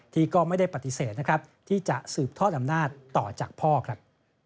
ที่ก็ไม่ได้ปฏิเสธนะครับที่จะสืบทอดอำนาจต่อจากพ่อครับ